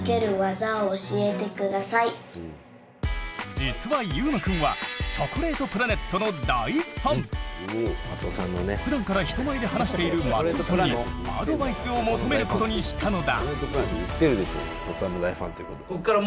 実はゆうまくんはふだんから人前で話している松尾さんにアドバイスを求めることにしたのだ。